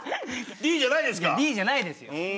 Ｄじゃないですよ。